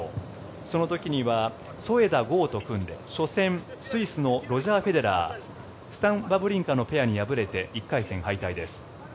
その時には添田豪と組んで初戦、スイスのロジャー・フェデラースタン・バブリンカのペアに敗れて１回戦敗退です。